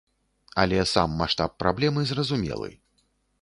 Але сам маштаб праблемы зразумелы.